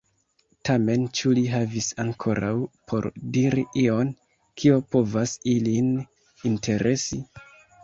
Tamen ĉu li havis ankoraŭ por diri ion, kio povas ilin interesi?